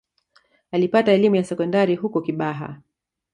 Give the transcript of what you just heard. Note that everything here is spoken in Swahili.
Alipata elimu ya sekondari huko Kibaha